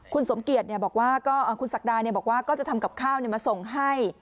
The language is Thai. คุณสมเกียจบอกว่าคุณศักดาบอกว่าก็จะทำกับข้าวมาส่งให้